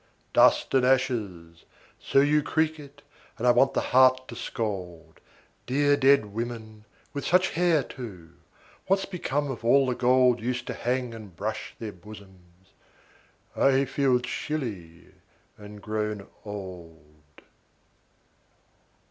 "Dust and ashes!" So you creak it, and I want the heart to scold. Dear dead women, with such hair, too what's become of all the gold Used to hang and brush their bosoms? I feel chilly and grown old.